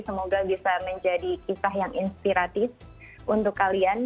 semoga bisa menjadi kisah yang inspiratif untuk kalian